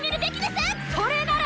それなら！